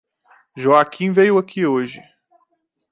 Joaquim veio aqui hoje.